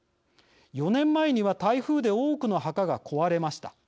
４年前には台風で多くの墓が壊れました。